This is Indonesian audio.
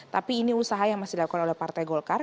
tapi ini usaha yang masih dilakukan oleh partai golkar